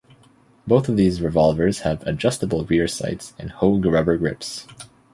Both of these revolvers have adjustable rear sights and Hogue rubber grips.